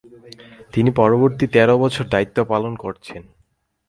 তিনি পরবর্তী তেরো বছর দায়িত্ব পালন করেছেন।